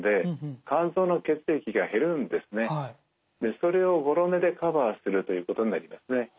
それをごろ寝でカバーするということになりますね。